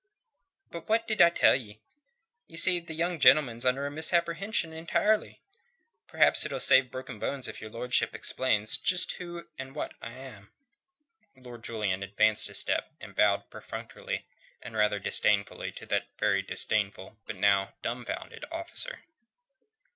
But what did I tell ye? Ye see, the young gentleman's under a misapprehension entirely. Perhaps it'll save broken bones if your lordship explains just who and what I am." Lord Julian advanced a step and bowed perfunctorily and rather disdainfully to that very disdainful but now dumbfounded officer.